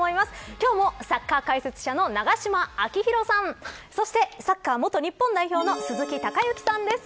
今日もサッカー解説者の永島昭浩さん、そして元日本代表の鈴木隆行さんです。